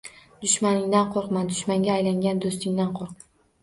Dushmaningdan qo’rqma, dushmanga aylangan do’stingdan qo’rq.